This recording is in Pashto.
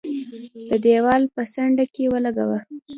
د دېوال په څنډه کې ولګاوه.